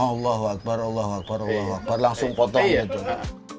allah wa akbar allah wa akbar allah wa akbar langsung potong aja